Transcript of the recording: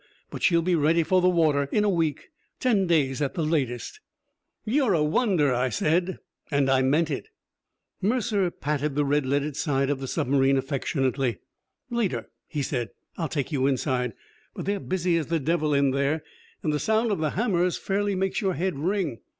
But she'll be ready for the water in a week; ten days at the latest." "You're a wonder," I said, and I meant it. Mercer patted the red leaded side of the submarine affectionately. "Later," he said, "I'll take you inside, but they're busy as the devil in there, and the sound of the hammers fairly makes your head ring.